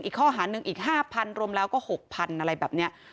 อีกข้อหาหนึ่งอีกห้าพันรวมแล้วก็หกพันอะไรแบบเนี่ย